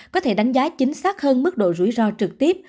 có thể đánh giá chính xác hơn mức độ rủi ro trực tiếp